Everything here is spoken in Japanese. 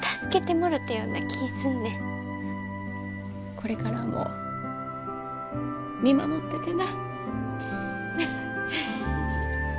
これからも見守っててな。